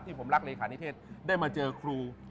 ที่ผมรักเลยค่ะนิเทศได้มาเจอครู